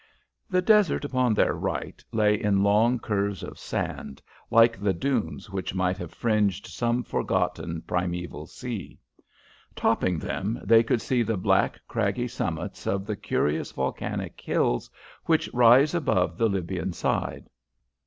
The desert upon their right lay in long curves of sand, like the dunes which might have fringed some forgotten primeval sea. Topping them they could see the black, craggy summits of the curious volcanic hills which rise upon the Libyan side.